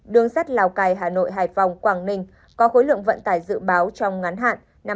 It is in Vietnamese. đường sắt lào cai hà nội hải phòng quảng ninh có khối lượng vận tải dự báo trong ngắn hạn